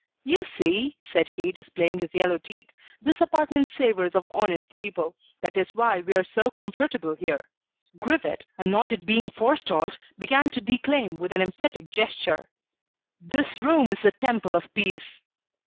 "You see," said he, displaying his yellow teeth, "this apartment savours of honest people: that is why we are so comfortable here." Grivet, annoyed at being forestalled, began to declaim with an emphatic gesture: "This room is the Temple of Peace!"